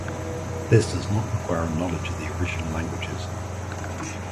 This does not require a knowledge of the original languages